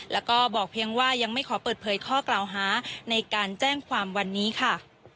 แล้วก็บอกเพียงว่ายังไม่ขอเปิดเผยข้อกล่าวหาในการแจ้งความวันนี้ค่ะ